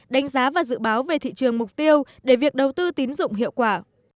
đánh giá và dự báo về thị trường mục tiêu để việc đầu tư tín dụng hiệu quả